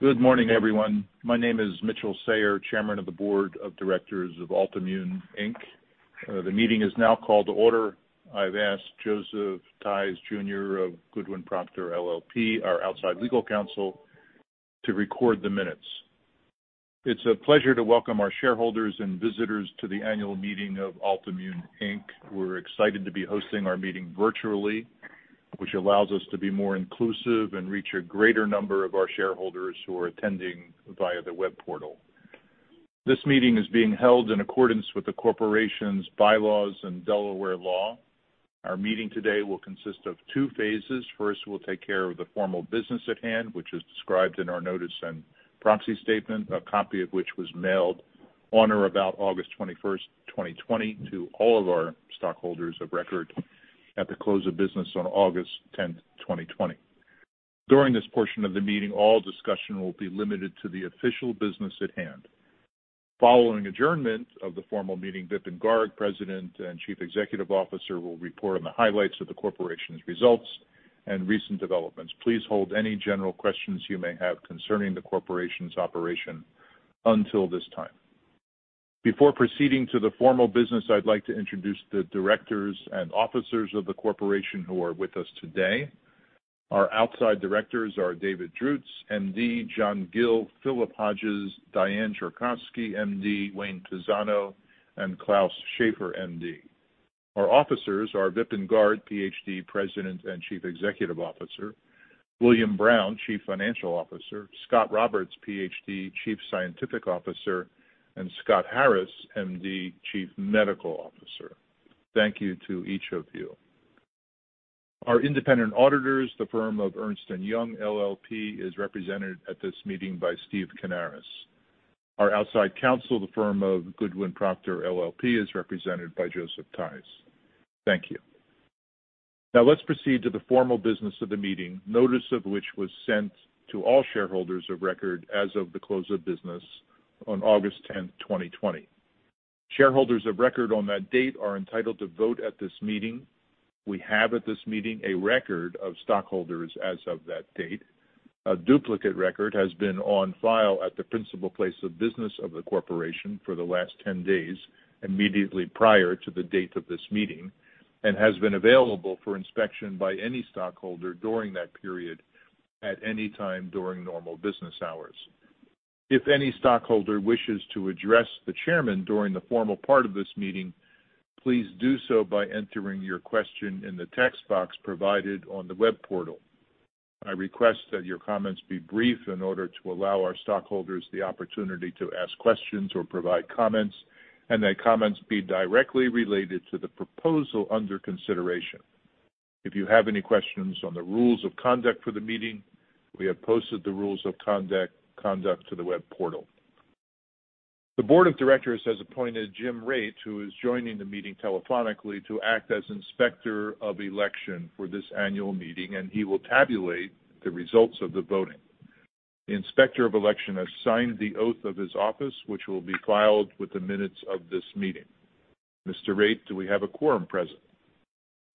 Good morning, everyone. My name is Mitchel Sayare, Chairman of the Board of Directors of Altimmune, Inc. The meeting is now called to order. I've asked Joseph C. Theis Jr. of Goodwin Procter LLP, our outside legal counsel, to record the minutes. It's a pleasure to welcome our shareholders and visitors to the annual meeting of Altimmune, Inc. We're excited to be hosting our meeting virtually, which allows us to be more inclusive and reach a greater number of our shareholders who are attending via the web portal. This meeting is being held in accordance with the corporation's bylaws and Delaware law. Our meeting today will consist of two phases. First, we'll take care of the formal business at hand, which is described in our notice and proxy statement, a copy of which was mailed on or about August 21st, 2020, to all of our stockholders of record at the close of business on August 10th, 2020. During this portion of the meeting, all discussion will be limited to the official business at hand. Following adjournment of the formal meeting, Vipin Garg, President and Chief Executive Officer, will report on the highlights of the corporation's results and recent developments. Please hold any general questions you may have concerning the corporation's operation until this time. Before proceeding to the formal business, I'd like to introduce the directors and officers of the corporation who are with us today. Our outside directors are David Drutz, MD, John Gill, Philip Hodges, Diane Jorkasky, MD, Wayne Pisano, and Klaus Schafer, MD. Our officers are Vipin Garg, PhD, President and Chief Executive Officer, William Brown, Chief Financial Officer, Scot Roberts, PhD, Chief Scientific Officer, and Scott Harris, MD, Chief Medical Officer. Thank you to each of you. Our independent auditors, the firm of Ernst & Young LLP, is represented at this meeting by Steve Canaris. Our outside counsel, the firm of Goodwin Procter LLP, is represented by Joseph Theis. Thank you. Let's proceed to the formal business of the meeting, notice of which was sent to all shareholders of record as of the close of business on August 10th, 2020. Shareholders of record on that date are entitled to vote at this meeting. We have at this meeting a record of stockholders as of that date. A duplicate record has been on file at the principal place of business of the corporation for the last 10 days immediately prior to the date of this meeting and has been available for inspection by any stockholder during that period at any time during normal business hours. If any stockholder wishes to address the chairman during the formal part of this meeting, please do so by entering your question in the text box provided on the web portal. I request that your comments be brief in order to allow our stockholders the opportunity to ask questions or provide comments, and that comments be directly related to the proposal under consideration. If you have any questions on the rules of conduct for the meeting, we have posted the rules of conduct to the web portal. The board of directors has appointed Jim Reid, who is joining the meeting telephonically, to act as Inspector of Election for this annual meeting, and he will tabulate the results of the voting. The Inspector of Election has signed the oath of his office, which will be filed with the minutes of this meeting. Mr. Reid, do we have a quorum present?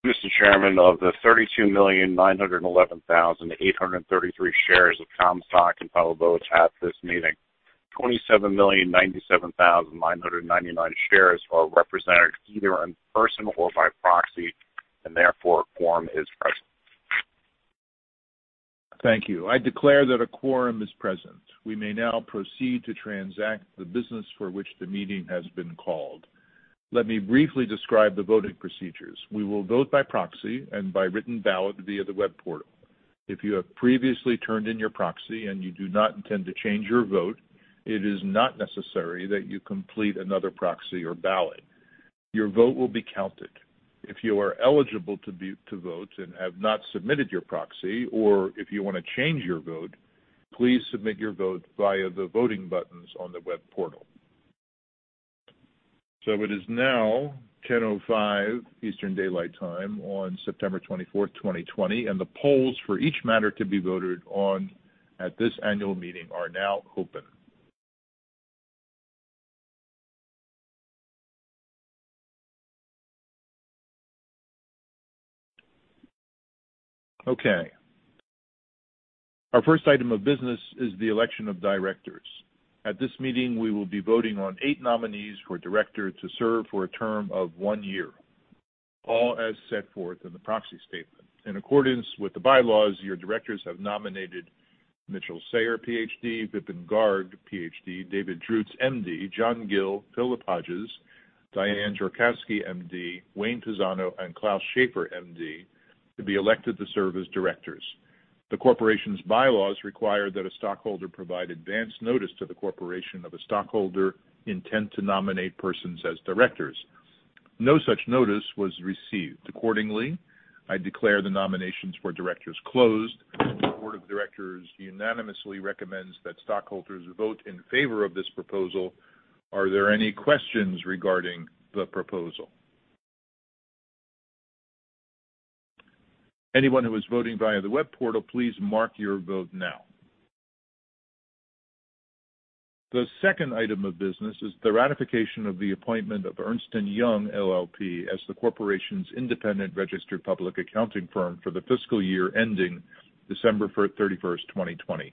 Mr. Chairman, of the 32,911,833 shares of common stock entitled to vote at this meeting, 27,097,999 shares are represented either in person or by proxy, and therefore a quorum is present. Thank you. I declare that a quorum is present. We may now proceed to transact the business for which the meeting has been called. Let me briefly describe the voting procedures. We will vote by proxy and by written ballot via the web portal. If you have previously turned in your proxy and you do not intend to change your vote, it is not necessary that you complete another proxy or ballot. Your vote will be counted. If you are eligible to vote and have not submitted your proxy, or if you want to change your vote, please submit your vote via the voting buttons on the web portal. It is now 10:05 A.M. Eastern Daylight Time on September 24, 2020, and the polls for each matter to be voted on at this annual meeting are now open. Okay. Our first item of business is the election of directors. At this meeting, we will be voting on eight nominees for director to serve for a term of one year, all as set forth in the proxy statement. In accordance with the bylaws, your directors have nominated Mitchel Sayare, PhD, Vipin Garg, PhD, David Drutz, MD, John Gill, Philip Hodges, Diane Jorkasky, MD, Wayne Pisano, and Klaus Schafer, MD, to be elected to serve as directors. The corporation's bylaws require that a stockholder provide advance notice to the corporation of a stockholder intent to nominate persons as directors. No such notice was received. Accordingly, I declare the nominations for directors closed. The board of directors unanimously recommends that stockholders vote in favor of this proposal. Are there any questions regarding the proposal? Anyone who is voting via the web portal, please mark your vote now. The second item of business is the ratification of the appointment of Ernst & Young LLP as the corporation's independent registered public accounting firm for the fiscal year ending December 31st, 2020.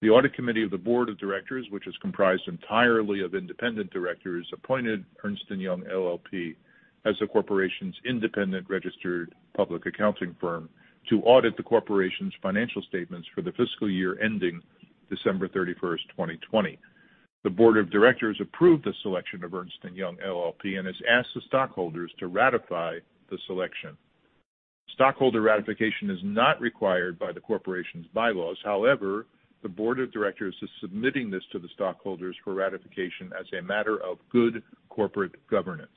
The audit committee of the board of directors, which is comprised entirely of independent directors, appointed Ernst & Young LLP as the corporation's independent registered public accounting firm to audit the corporation's financial statements for the fiscal year ending December 31st, 2020. The board of directors approved the selection of Ernst & Young LLP and has asked the stockholders to ratify the selection. Stockholder ratification is not required by the corporation's bylaws. However, the board of directors is submitting this to the stockholders for ratification as a matter of good corporate governance.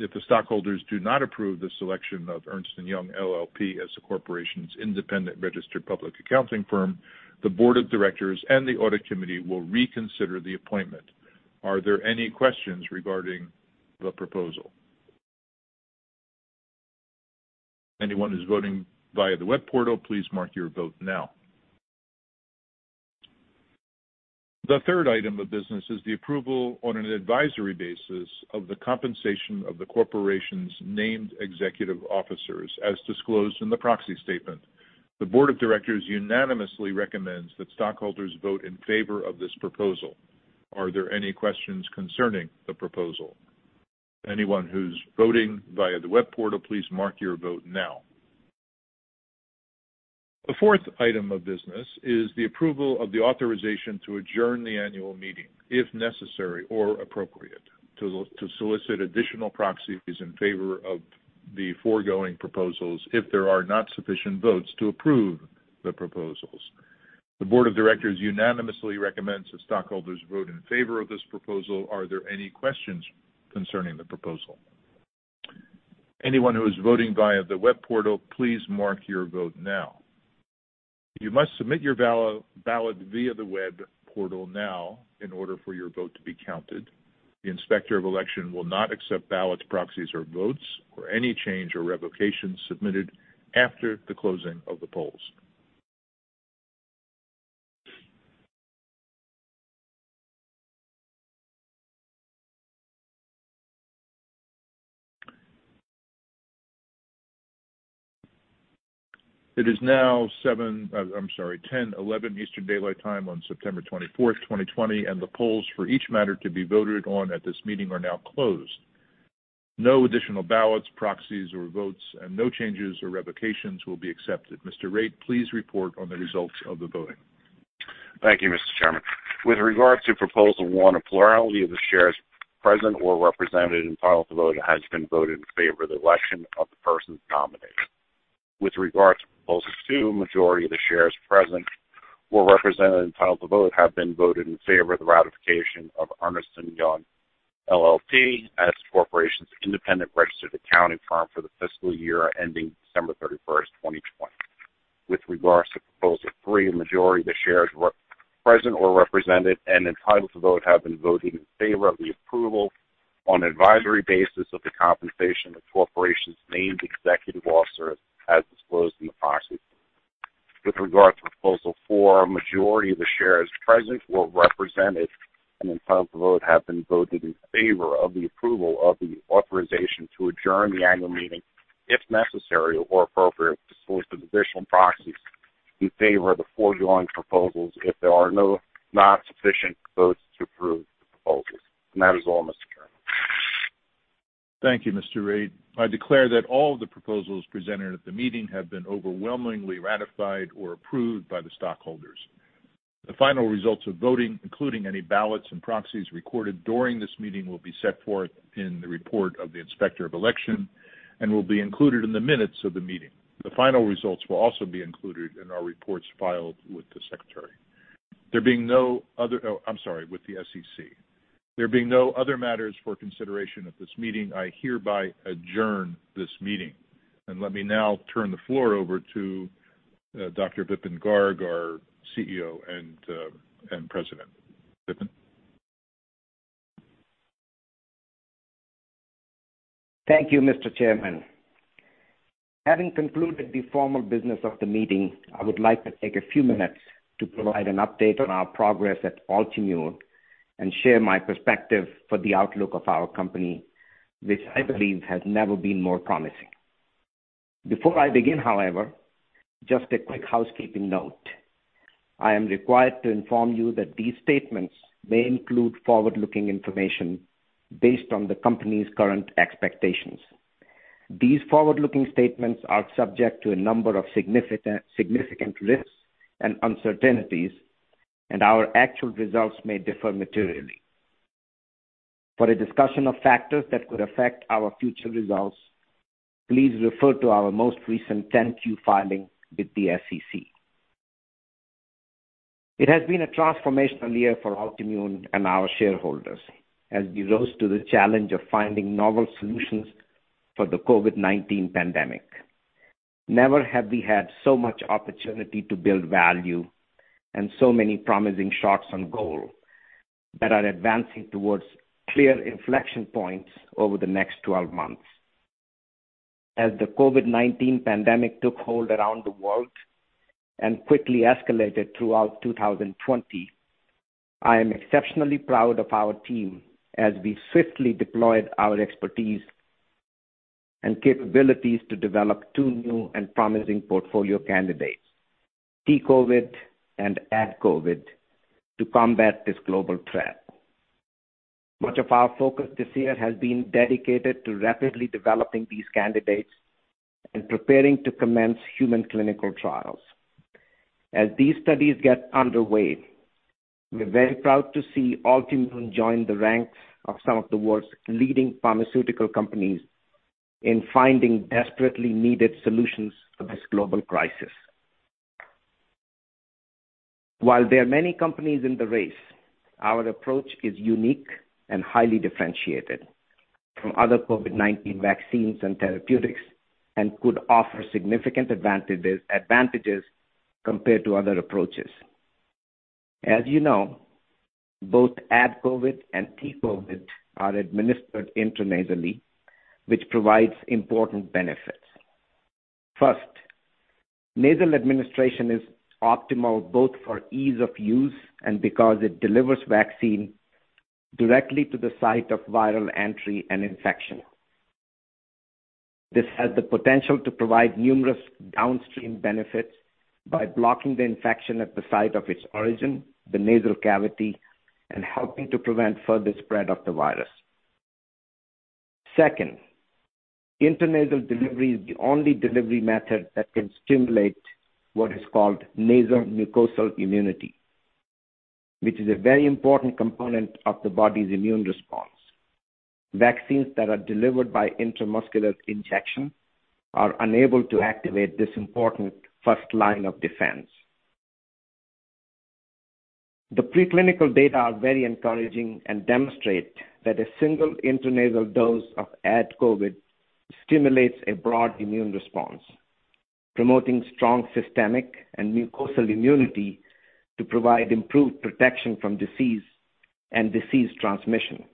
If the stockholders do not approve the selection of Ernst & Young LLP as the corporation's independent registered public accounting firm, the board of directors and the audit committee will reconsider the appointment. Are there any questions regarding the proposal? Anyone who's voting via the web portal, please mark your vote now. The third item of business is the approval on an advisory basis of the compensation of the corporation's named executive officers, as disclosed in the proxy statement. The board of directors unanimously recommends that stockholders vote in favor of this proposal. Are there any questions concerning the proposal? Anyone who's voting via the web portal, please mark your vote now. The fourth item of business is the approval of the authorization to adjourn the annual meeting, if necessary or appropriate, to solicit additional proxies in favor of the foregoing proposals if there are not sufficient votes to approve the proposals. The board of directors unanimously recommends that stockholders vote in favor of this proposal. Are there any questions concerning the proposal? Anyone who is voting via the web portal, please mark your vote now. You must submit your ballot via the web portal now in order for your vote to be counted. The Inspector of Election will not accept ballots, proxies or votes or any change or revocation submitted after the closing of the polls. It is now 10:11 Eastern Daylight Time on September 24th, 2020, and the polls for each matter to be voted on at this meeting are now closed. No additional ballots, proxies or votes, and no changes or revocations will be accepted. Mr. Reid, please report on the results of the voting. Thank you, Mr. Chairman. With regard to proposal 1, a plurality of the shares present or represented entitled to vote has been voted in favor of the election of the persons nominated. With regard to proposal 2, a majority of the shares present or represented entitled to vote have been voted in favor of the ratification of Ernst & Young LLP as the corporation's independent registered accounting firm for the fiscal year ending December 31st, 2020. With regards to proposal 3, a majority of the shares present or represented and entitled to vote have been voted in favor of the approval on an advisory basis of the compensation of the corporation's named executive officers as disclosed in the proxy. With regard to proposal 4, a majority of the shares present or represented and entitled to vote have been voted in favor of the approval of the authorization to adjourn the annual meeting, if necessary or appropriate, to solicit additional proxies in favor of the foregoing proposals if there are not sufficient votes to approve the proposals. That is all, Mr. Chairman. Thank you, Mr. Reid. I declare that all the proposals presented at the meeting have been overwhelmingly ratified or approved by the stockholders. The final results of voting, including any ballots and proxies recorded during this meeting, will be set forth in the report of the Inspector of Election and will be included in the minutes of the meeting. The final results will also be included in our reports filed with the Secretary. Oh, I'm sorry, with the SEC. There being no other matters for consideration at this meeting, I hereby adjourn this meeting. Let me now turn the floor over to Dr. Vipin Garg, our CEO and president. Vipin? Thank you, Mr. Chairman. Having concluded the formal business of the meeting, I would like to take a few minutes to provide an update on our progress at Altimmune and share my perspective for the outlook of our company, which I believe has never been more promising. Before I begin, however, just a quick housekeeping note. I am required to inform you that these statements may include forward-looking information based on the company's current expectations. These forward-looking statements are subject to a number of significant risks and uncertainties. Our actual results may differ materially. For a discussion of factors that could affect our future results, please refer to our most recent 10-Q filing with the SEC. It has been a transformational year for Altimmune and our shareholders as we rose to the challenge of finding novel solutions for the COVID-19 pandemic. Never have we had so much opportunity to build value and so many promising shots on goal that are advancing towards clear inflection points over the next 12 months. As the COVID-19 pandemic took hold around the world and quickly escalated throughout 2020, I am exceptionally proud of our team as we swiftly deployed our expertise and capabilities to develop two new and promising portfolio candidates, T-COVID and AdCOVID, to combat this global threat. Much of our focus this year has been dedicated to rapidly developing these candidates and preparing to commence human clinical trials. As these studies get underway, we're very proud to see Altimmune join the ranks of some of the world's leading pharmaceutical companies in finding desperately needed solutions for this global crisis. While there are many companies in the race, our approach is unique and highly differentiated from other COVID-19 vaccines and therapeutics and could offer significant advantages compared to other approaches. As you know, both AdCOVID and T-COVID are administered intranasally, which provides important benefits. First, nasal administration is optimal both for ease of use and because it delivers vaccine directly to the site of viral entry and infection. This has the potential to provide numerous downstream benefits by blocking the infection at the site of its origin, the nasal cavity, and helping to prevent further spread of the virus. Second, intranasal delivery is the only delivery method that can stimulate what is called nasal mucosal immunity, which is a very important component of the body's immune response. Vaccines that are delivered by intramuscular injection are unable to activate this important first line of defense. The preclinical data are very encouraging and demonstrate that a single intranasal dose of AdCOVID stimulates a broad immune response, promoting strong systemic and mucosal immunity to provide improved protection from disease and disease transmission.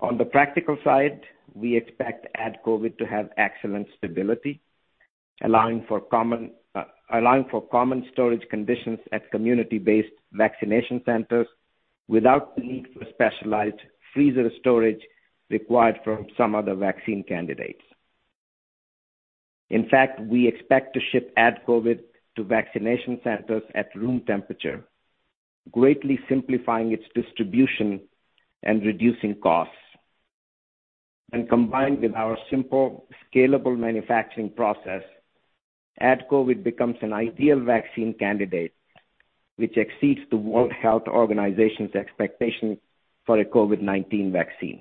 On the practical side, we expect AdCOVID to have excellent stability, allowing for common storage conditions at community-based vaccination centers without the need for specialized freezer storage required for some other vaccine candidates. In fact, we expect to ship AdCOVID to vaccination centers at room temperature, greatly simplifying its distribution and reducing costs. Combined with our simple, scalable manufacturing process, AdCOVID becomes an ideal vaccine candidate, which exceeds the World Health Organization's expectations for a COVID-19 vaccine.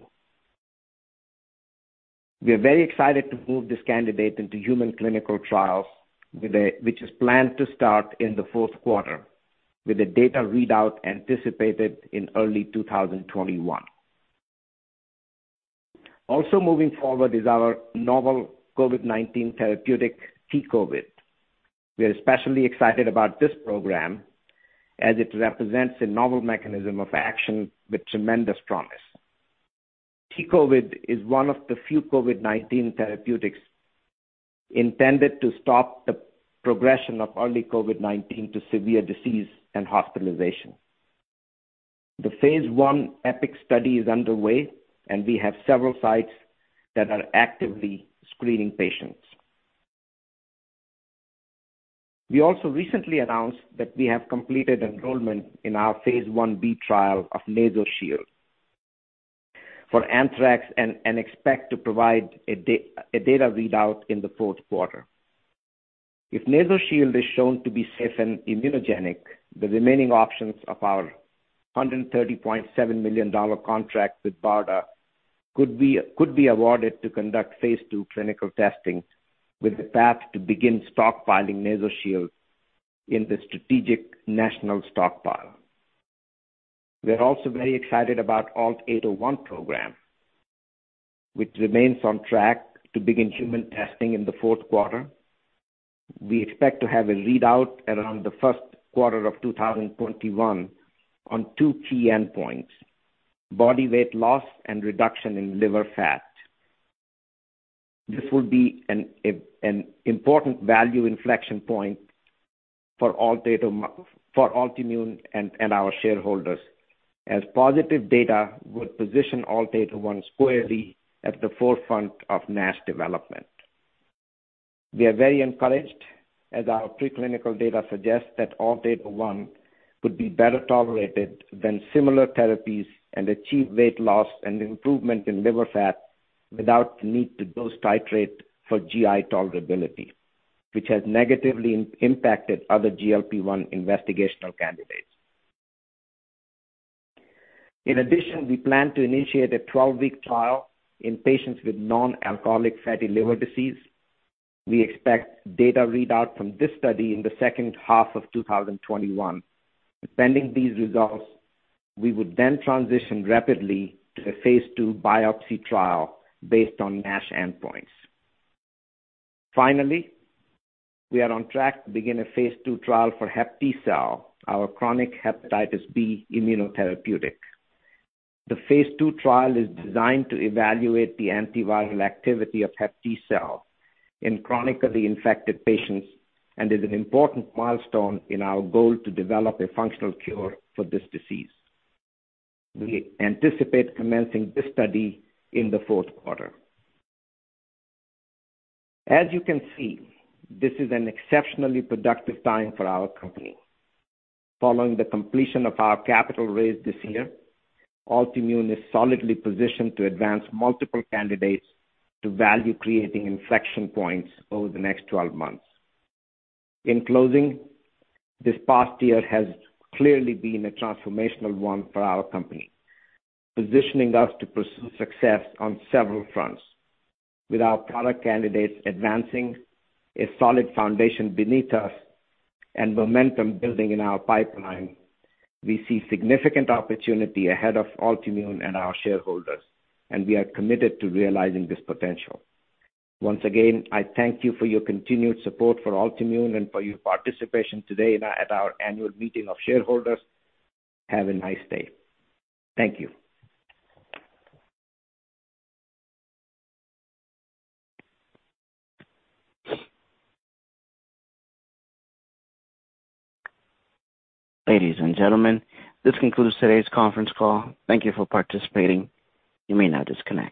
We are very excited to move this candidate into human clinical trials, which is planned to start in the fourth quarter, with a data readout anticipated in early 2021. Also moving forward is our novel COVID-19 therapeutic, T-COVID. We are especially excited about this program as it represents a novel mechanism of action with tremendous promise. T-COVID is one of the few COVID-19 therapeutics intended to stop the progression of early COVID-19 to severe disease and hospitalization. The phase I EPIC study is underway, and we have several sites that are actively screening patients. We also recently announced that we have completed enrollment in our phase I-B trial of NasoShield for anthrax and expect to provide a data readout in the fourth quarter. If NasoShield is shown to be safe and immunogenic, the remaining options of our $130.7 million contract with BARDA could be awarded to conduct phase II clinical testing with a path to begin stockpiling NasoShield in the Strategic National Stockpile. We're also very excited about ALT-801 program, which remains on track to begin human testing in the fourth quarter. We expect to have a readout around the first quarter of 2021 on two key endpoints, body weight loss and reduction in liver fat. This would be an important value inflection point for Altimmune and our shareholders, as positive data would position ALT-801 squarely at the forefront of NASH development. We are very encouraged as our preclinical data suggests that ALT-801 could be better tolerated than similar therapies and achieve weight loss and improvement in liver fat without the need to dose titrate for GI tolerability, which has negatively impacted other GLP-1 investigational candidates. In addition, we plan to initiate a 12-week trial in patients with non-alcoholic fatty liver disease. We expect data readout from this study in the second half of 2021. Depending these results, we would then transition rapidly to a phase II biopsy trial based on NASH endpoints. Finally, we are on track to begin a phase II trial for HepTcell, our chronic hepatitis B immunotherapeutic. The phase II trial is designed to evaluate the antiviral activity of HepTcell in chronically infected patients and is an important milestone in our goal to develop a functional cure for this disease. We anticipate commencing this study in the fourth quarter. As you can see, this is an exceptionally productive time for our company. Following the completion of our capital raise this year, Altimmune is solidly positioned to advance multiple candidates to value creating inflection points over the next 12 months. In closing, this past year has clearly been a transformational one for our company, positioning us to pursue success on several fronts. With our product candidates advancing, a solid foundation beneath us, and momentum building in our pipeline, we see significant opportunity ahead of Altimmune and our shareholders, and we are committed to realizing this potential. Once again, I thank you for your continued support for Altimmune and for your participation today at our annual meeting of shareholders. Have a nice day. Thank you. Ladies and gentlemen, this concludes today's conference call. Thank you for participating. You may now disconnect.